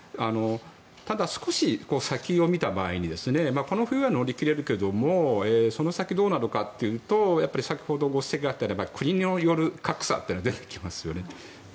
ただ、少し先を見た場合にこの冬は乗り切れるけどもその先どうなるかというと先ほどご指摘があったような国による格差というのが出てきますよね。